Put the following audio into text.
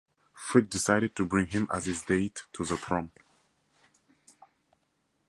Fricke decided to bring him as his date to the prom.